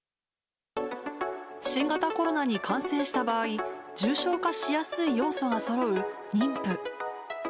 新型コロナに感染した場合、重症化しやすい要素がそろう妊婦。